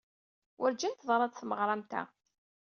Werǧin teḍra-d tmeɣra am ta.